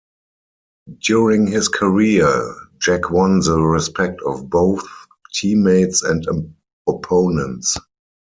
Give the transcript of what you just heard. During his career, Jack won the respect of both teammates and opponents.